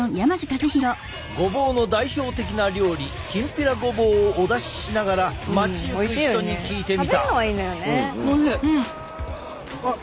ごぼうの代表的な料理きんぴらごぼうをお出ししながら街行く人に聞いてみた！